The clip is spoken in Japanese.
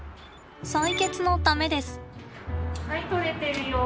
採血のためです。